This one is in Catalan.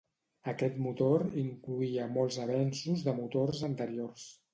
Aquest motor incloïa molts avenços de motors anteriors.